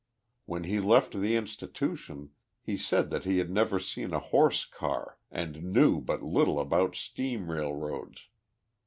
— When he left the institution he said that he had never seen a horse car and knew but little about steam railroads.